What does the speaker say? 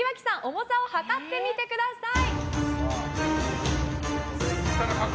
重さを量ってみてください。